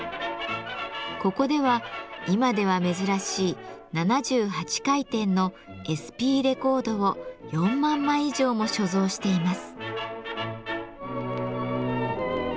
ここでは今では珍しい７８回転の「ＳＰレコード」を４万枚以上も所蔵しています。